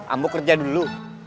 ambo kerja dulu